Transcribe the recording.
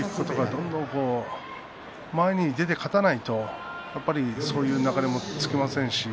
どんどん、前に出て勝てないとそういう流れもつきません。